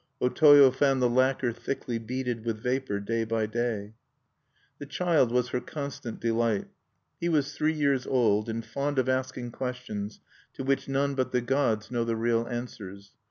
O Toyo found the lacquer thickly beaded with vapor day by day. The child was her constant delight. He was three years old, and fond of asking questions to which none but the gods know the real answers.